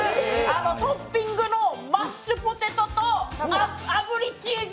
トッピングのマッシュポテトとあぶりチーズ。